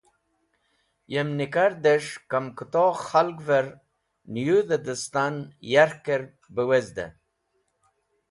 Yem nikardes̃h kamkũto khalg’ver niyũdh-e dẽstan yarker be wizit.